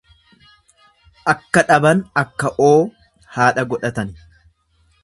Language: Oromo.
Akka dhaban akka'oo haadha godhatani.